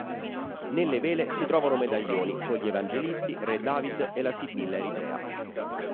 Nelle vele si trovano medaglioni con gli "Evangelisti", "Re David" e la "Sibilla Eritrea".